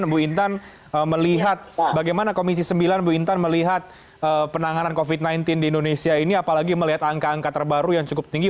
bu intan melihat bagaimana komisi sembilan bu intan melihat penanganan covid sembilan belas di indonesia ini apalagi melihat angka angka terbaru yang cukup tinggi